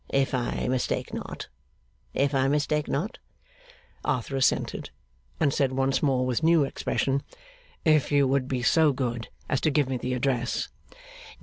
If I mistake not, if I mistake not?' Arthur assented, and said once more with new expression, 'If you would be so good as to give me the address.